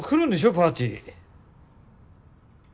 パーティー。